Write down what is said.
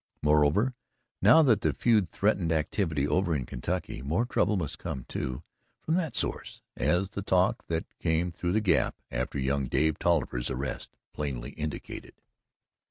Moreover, now that the feud threatened activity over in Kentucky, more trouble must come, too, from that source, as the talk that came through the Gap, after young Dave Tolliver's arrest, plainly indicated.